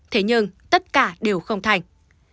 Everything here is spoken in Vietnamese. thế nhưng tất cả đều không thành